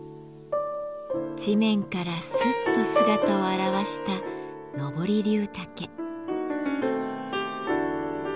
地面からすっと姿を現したノボリリュウタケ。